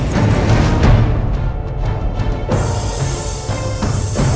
kau tidak punya pilihan